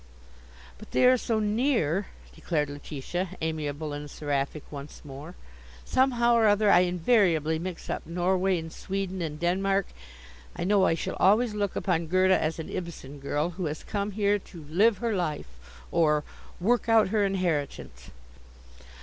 "But they are so near," declared Letitia, amiable and seraphic once more. "Somehow or other, I invariably mix up Norway and Sweden and Denmark. I know I shall always look upon Gerda as an Ibsen girl, who has come here to 'live her life,' or 'work out her inheritance.'